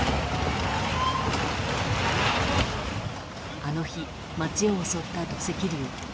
あの日、街を襲った土石流。